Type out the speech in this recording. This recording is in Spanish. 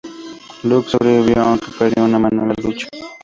Luke sobrevivió, aunque perdió una mano en la lucha.